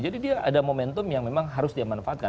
jadi dia ada momentum yang memang harus dimanfaatkan